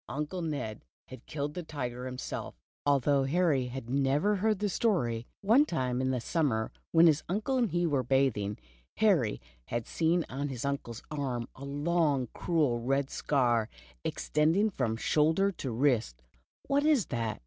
Uncle Ned had killed the tiger himself, although Harry had never heard the story. One time in the summer, when his uncle and he were bathing, Harry had seen on his uncle's arm a long, cruel red scar, extending from shoulder to wrist. "What is that?"